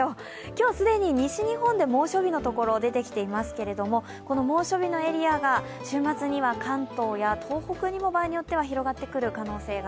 今日既に西日本で猛暑日のところ出てきていますけれど猛暑日のエリアが週末には関東や場合によっては東北にも広がってきそうです。